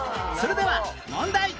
それでは問題